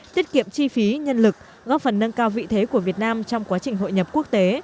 tiết kiệm chi phí nhân lực góp phần nâng cao vị thế của việt nam trong quá trình hội nhập quốc tế